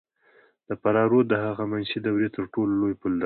د فراه رود د هخامنشي دورې تر ټولو لوی پل درلود